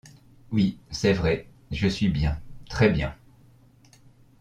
Oui, c’est vrai, je suis bien, très bien.